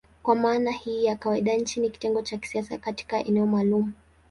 Kwa maana hii ya kawaida nchi ni kitengo cha kisiasa katika eneo maalumu.